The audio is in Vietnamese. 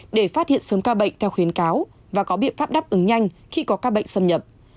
để phát hiện sớm ca bệnh theo khuyến cáo và có biện pháp đáp ứng nhanh khi có ca bệnh xâm nhập